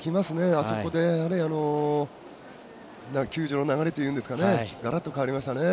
あそこで球場の流れというのががらっと変わりましたね。